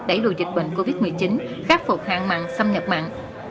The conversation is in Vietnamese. đẩy đùa dịch bệnh covid một mươi chín khắc phục hàng mặn xâm nhập mặn